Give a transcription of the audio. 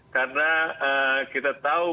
karena kita tahu